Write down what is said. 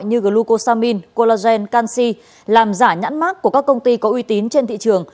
như glucosamin collagen canxi làm giả nhãn mát của các công ty có uy tín trên thị trường